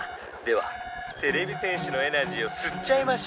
てれび戦士のエナジーをすっちゃいましょう」。